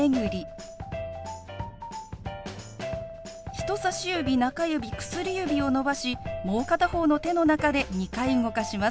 人さし指中指薬指を伸ばしもう片方の手の中で２回動かします。